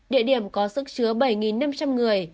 địa điểm có sức chứa bảy năm trăm linh người